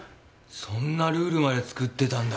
そんなルールまで作ってたんだ。